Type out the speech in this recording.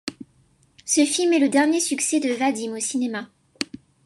Ce film est le dernier succès de Vadim au cinéma.